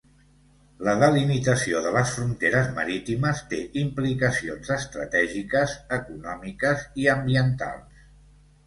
La delimitació de les fronteres marítimes té implicacions estratègiques, econòmiques i ambientals.